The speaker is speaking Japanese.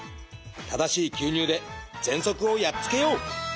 正しい吸入でぜんそくをやっつけよう！